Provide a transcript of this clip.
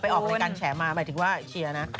ออกรายการแฉมาหมายถึงว่าเชียร์นะ